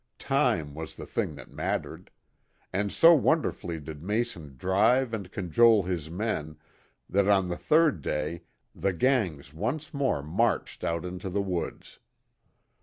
Time was the thing that mattered. And so wonderfully did Mason drive and cajole his men, that on the third day the gangs once more marched out into the woods.